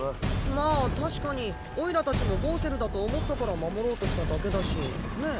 まあ確かにおいらたちもゴウセルだと思ったから守ろうとしただけだしねえ？